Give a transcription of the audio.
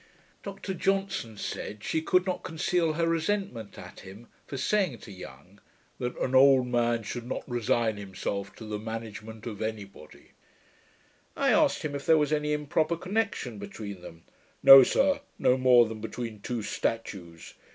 Dr Johnson said, she could not conceal her resentment at him, for saying to Young, that 'an old man should not resign himself to the management of any body.' I asked him, if there was any improper connection between them. 'No, sir, no more than between two statues.